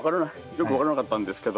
よく分からなかったんですけど